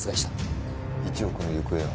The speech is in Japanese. １億の行方は？